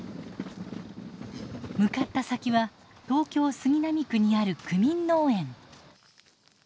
向かった先は東京・杉並区にある区民農園。